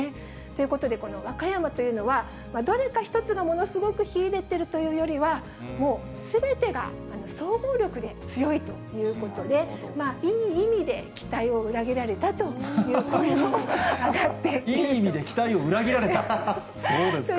ということで、この和歌山というのは、どれか一つがものすごく秀でてるというよりは、もう、すべてが総合力で強いということで、いい意味で、期待を裏切られたというコメントも上がっていると。